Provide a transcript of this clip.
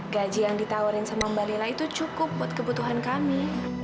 gaji yang ditawarin sama mbak lila itu cukup buat kebutuhan kami